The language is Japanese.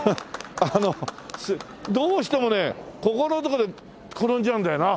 あのどうしてもねここのとこで転んじゃうんだよな。